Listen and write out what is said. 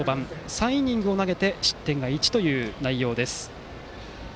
３イニングを投げて失点１という内容です。